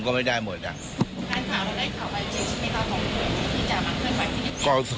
แต่มีถามที่ดูแหละค่ะ